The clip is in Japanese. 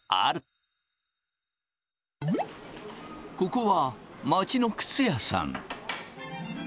ここは街の靴屋さん。